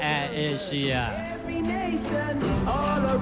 ท่านแรกครับจันทรุ่ม